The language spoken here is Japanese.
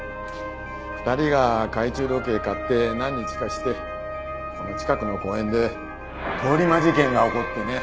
２人が懐中時計を買って何日かしてこの近くの公園で通り魔事件が起こってね。